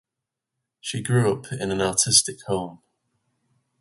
She grew up in an artistic home.